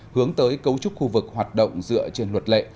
hướng tới cấu trúc khu vực hoạt động dựa trên luật lệ